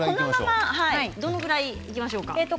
どのくらいいきましょうか。